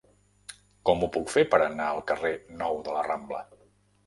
Com ho puc fer per anar al carrer Nou de la Rambla?